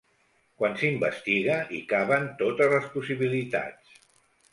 “Quan s’investiga, hi caben totes les possibilitats”.